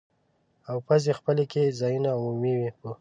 او پزې خپلې کې ځایونو عمومي په